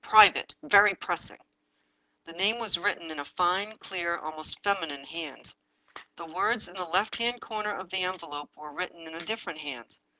Private! VERY PRESSING! !!" The name was written in a fine, clear, almost feminine hand. The words in the left hand corner of the envelope were written in a different hand.